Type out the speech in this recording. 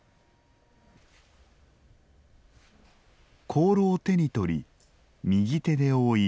香炉を手に取り右手で覆い